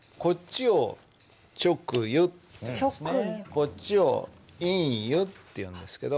こっちを「隠喩」っていうんですけど。